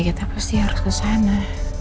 kita pasti harus kesana